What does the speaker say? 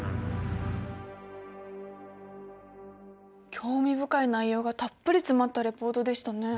興味深い内容がたっぷり詰まったリポートでしたね。